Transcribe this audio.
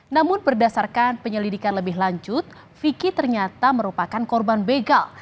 namun berdasarkan penyelidikan lebih lanjut vicky ternyata merupakan korban begal